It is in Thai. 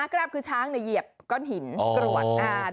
กราบคือช้างเหยียบก้อนหินกรวด